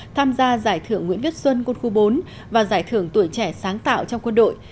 tham gia giải thưởng nguyễn viết xuân quân khu bốn và giải thưởng tuổi trẻ sáng tạo trong quân đội